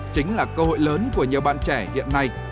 chính là cơ hội lớn của nhiều bạn trẻ hiện nay